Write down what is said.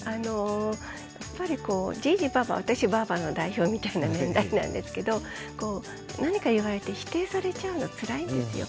やっぱりこうじぃじばぁば私はばぁばの代表みたいな年代なんですけど何か言われて否定されちゃうのつらいんですよ。